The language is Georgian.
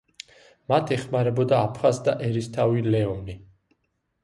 მათ ეხმარებოდა აფხაზთა ერისთავი ლეონი.